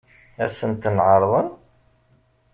Ad sen-ten-ɛeṛḍen?